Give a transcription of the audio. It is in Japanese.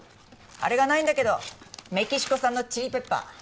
あれがないんだけどメキシコ産のチリペッパー。